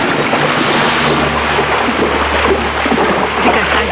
jika saja dia tidak iri dengan si bungsu si sulung dan keluarganya juga bisa hidup bahagia